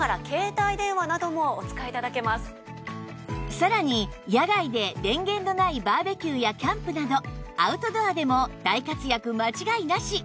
さらに野外で電源のないバーベキューやキャンプなどアウトドアでも大活躍間違いなし！